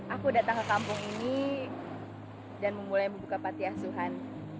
aku datang ke kampung ini dan memulai membuka panti asuhan